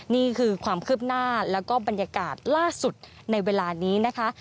นี่คือความคืบหน้าแล้วก็บรรยากาศล่าสุดในเวลานี้นะคะ